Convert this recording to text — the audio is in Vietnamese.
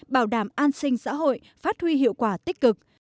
bảo đảm an sinh xã hội phát huy hiệu quả tích cực